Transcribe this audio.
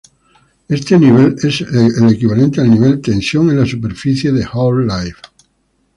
Este nivel es el equivalente al nivel "Tensión en la superficie" de Half-Life.